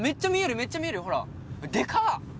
めっちゃ見えるよほらでかっ！